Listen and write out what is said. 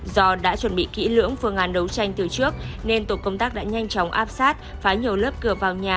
do đã chuẩn bị kỹ lưỡng phương án đấu tranh từ trước nên tổ công tác đã nhanh chóng áp sát phá nhiều lớp cửa vào nhà